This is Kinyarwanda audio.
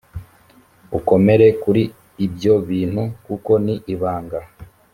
ukomere kuri ibyo bintu kuko ni ibanga